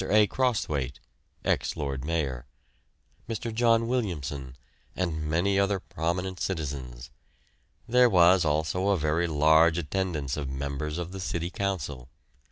A. Crosthwaite (ex Lord Mayor), Mr. John Williamson, and many other prominent citizens. There was also a very large attendance of members of the City Council.